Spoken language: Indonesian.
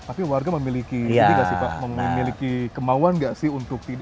tapi warga memiliki kemauan nggak sih untuk tidur